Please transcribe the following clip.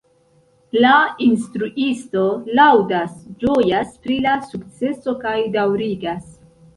La instruisto laŭdas, ĝojas pri la sukceso kaj daŭrigas.